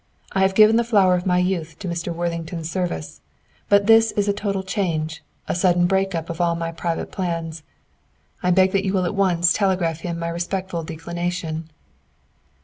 "I have given the flower of my youth to Mr. Worthington's service; but this is a total change, a sudden break up of all my private plans. I beg that you will at once telegraph him my respectful declination."